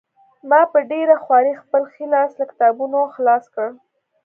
ما په ډېره خوارۍ خپل ښی لاس له کتابونو خلاص کړ